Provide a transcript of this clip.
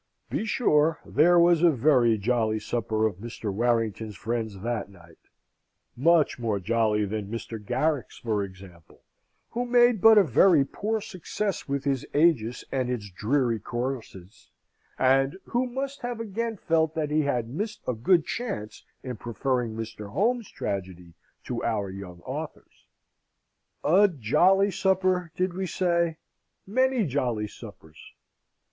Be sure there was a very jolly supper of Mr. Warrington's friends that night much more jolly than Mr. Garrick's, for example, who made but a very poor success with his Agis and its dreary choruses, and who must have again felt that he had missed a good chance, in preferring Mr. Home's tragedy to our young author's. A jolly supper, did we say? Many jolly suppers.